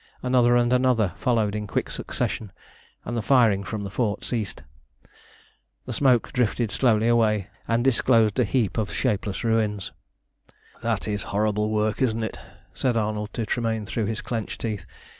Another and another followed in quick succession, and the firing from the fort ceased. The smoke drifted slowly away, and disclosed a heap of shapeless ruins. "That is horrible work, isn't it?" said Arnold to Tremayne through his clenched teeth.